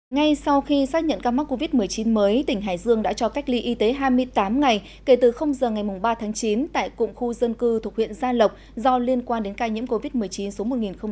ngay sau khi xác nhận ca mắc covid một mươi chín mới tỉnh hải dương đã cho cách ly y tế hai mươi tám ngày kể từ giờ ngày ba tháng chín tại cụng khu dân cư thuộc huyện gia lộc do liên quan đến ca nhiễm covid một mươi chín số một nghìn chín trăm bảy mươi hai